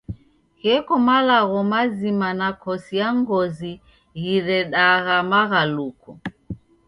Gheko malagho mazima nakosi ya ngozi ghiredagha maghaluko.